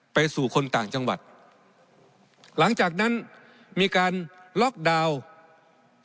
ไปสู่คนต่างจังหวัดหลังจากนั้นมีการล็อกดาวน์